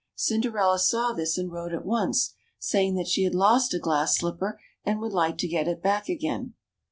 Cinderella saw this, and wrote at once, saying that she had lost a glass slipper and would like to get it back again.